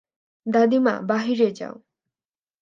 দাদীমা, বাহিরে যাও।